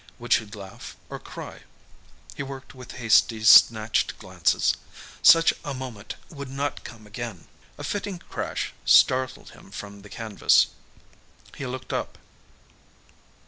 Would she laugh or cry? He worked with hasty, snatched glances. Such a moment would not come again. A flitting crash startled him from the canvas. He looked up.